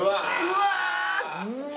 うわ！